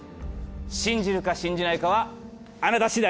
信じるか信じないかはあなた次第です。